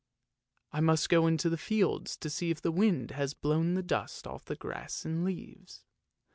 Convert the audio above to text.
I must go into the fields to see if the wind has blown the dust off the grass and leaves.